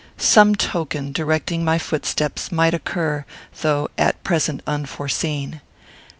Some token, directing my footsteps, might occur, though at present unforeseen.